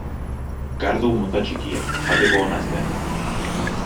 Kardu mota txikia, jateko ona ez dena.